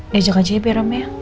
diajak aja ya biar ramai ya